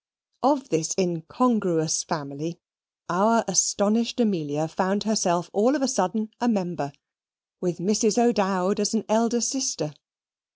Of this incongruous family our astonished Amelia found herself all of a sudden a member: with Mrs. O'Dowd as an elder sister.